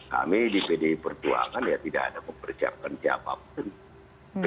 kami di pdi perjuangan ya tidak ada memperciapkan siapa siapa